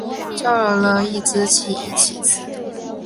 叫了一只一起吃